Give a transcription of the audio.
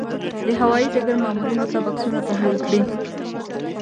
د هوايي ډګر مامورینو ته بکسونه تحویل کړي.